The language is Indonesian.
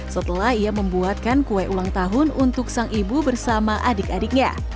setelah ia membuatkan kue ulang tahun untuk sang ibu bersama adik adiknya